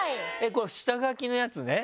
これ、下書きのやつね。